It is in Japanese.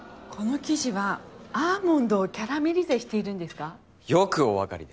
この生地はアーモンドをキャラメリゼしているんですか？